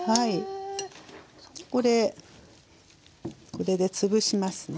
これで潰しますね。